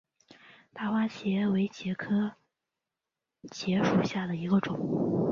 大花茄为茄科茄属下的一个种。